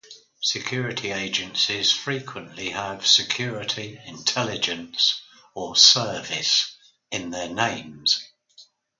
Security agencies frequently have "security", "intelligence" or "service" in their names.